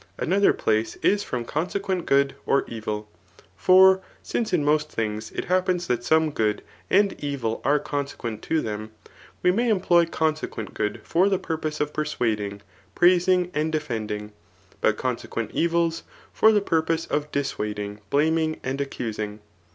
'' Another place is from consequent good or evil. For since in inost things it happens that some good and evil are con sequent to them, we may employ consequent good for the purpose of persuading, praising, and defending, but cdnsequent evils for the purpose of dissuading, blamkig, and accusing.